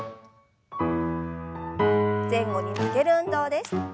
前後に曲げる運動です。